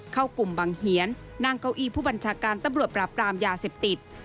เข้ากลุ่มบังเหียนนั่งเก้าอี้ผู้บัญชาการตำรวจปราบปรามยาเสพติด